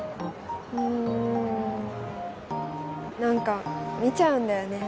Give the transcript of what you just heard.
うん何か見ちゃうんだよね